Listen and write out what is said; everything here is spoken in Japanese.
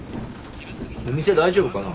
お店大丈夫かな？